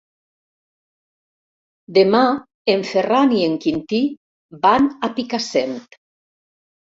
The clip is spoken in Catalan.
Demà en Ferran i en Quintí van a Picassent.